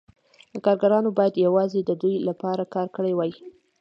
کارګرانو باید یوازې د دوی لپاره کار کړی وای